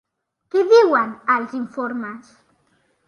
Què diuen, els informes?